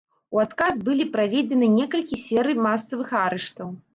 У адказ былі праведзены некалькі серый масавых арыштаў.